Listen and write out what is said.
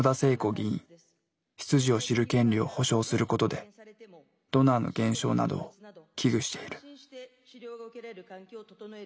出自を知る権利を保障することでドナーの減少などを危惧している。